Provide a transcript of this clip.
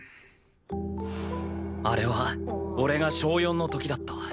あれは俺が小４の時だった。